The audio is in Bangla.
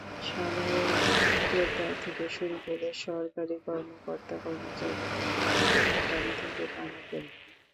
সাধারণ ক্রেতা থেকে শুরু করে সরকারি কর্মকর্তা-কর্মচারীরাও এখান থেকে পানি কেনেন।